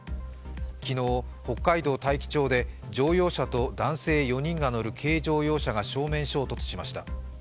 昨日、北海道大樹町で乗用車と男性４人が乗る軽乗用車が正面衝突しました。